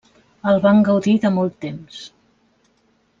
El van gaudir de molt temps.